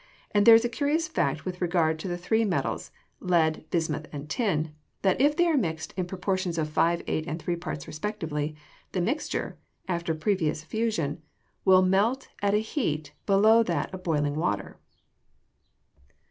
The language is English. and there is a curious fact with regard to the three metals, lead, bismuth, and tin, that if they are mixed in the proportions of 5, 8, and 3 parts respectively, the mixture (after previous fusion) will melt at a heat below that of boiling water.